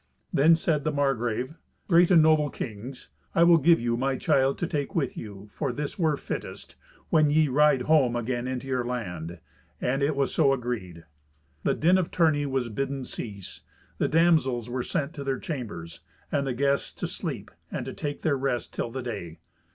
Then said the Margrave, "Great and noble kings, I will give you my child to take with you, for this were fittest, when ye ride home again into your land." And it was so agreed. The din of tourney was bidden cease. The damsels were sent to their chambers, and the guests to sleep and to take their rest till the day.